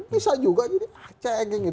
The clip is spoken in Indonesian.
bisa juga jadi cengeng